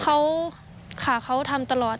เขาขาเขาทำตลอด